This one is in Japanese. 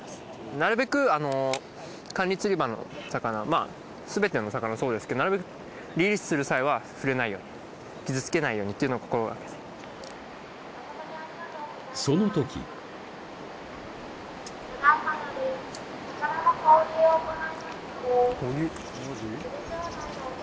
なるべくあの管理釣り場の魚まぁすべての魚そうですけどなるべくリリースする際は触れないように傷つけないようにっていうのを心がけてその時放流？